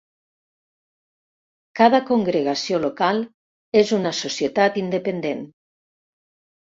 Cada congregació local és una societat independent.